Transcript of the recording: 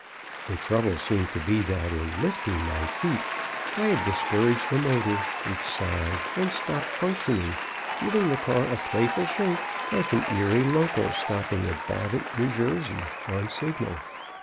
The trouble seemed to be that, in lifting my feet, I had discouraged the motor, which sighed and stopped functioning, giving the car a playful shake, like an Erie local stopping at Babbitt (N.J.) on signal.